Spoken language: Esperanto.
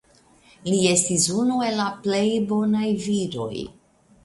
Li estis unu el la plej bonaj viroj.